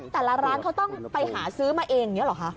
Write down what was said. แต่ละร้านเขาต้องไปหาซื้อมาเอง